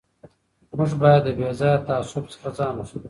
موږ باید له بې ځایه تعصب څخه ځان وساتو.